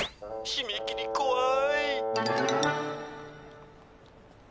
「しめ切りこわい」。